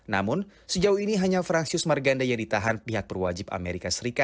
namun sejauh ini hanya francis marganda yang ditahan pihak perwajib as